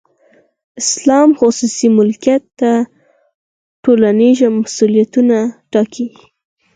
اسلام خصوصي ملکیت ته ټولنیز مسولیتونه ټاکي.